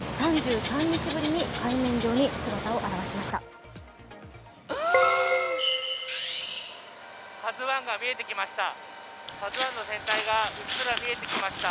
３３日ぶりに海面上に姿を現しました。